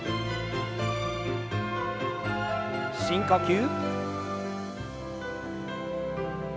深呼吸。